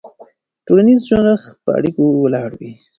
ټولنیز جوړښت پر اړیکو ولاړ وي.